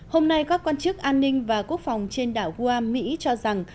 hôm nay các quan chức an ninh và quốc phòng trên đảo gha mỹ cho rằng